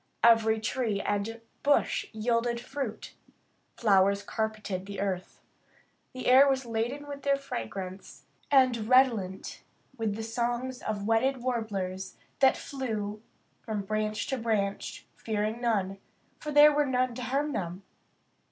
Every tree and bush yielded fruit. Flowers carpeted the earth. The air was laden with their fragrance, and redolent with the songs of wedded warblers that flew from branch to branch, fearing none, for there were none to harm them.